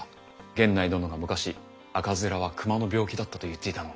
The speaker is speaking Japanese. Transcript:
源内殿が昔赤面は熊の病気だったと言っていたのを。